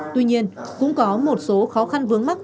tuy nhiên cũng có một số khó khăn vướng mắt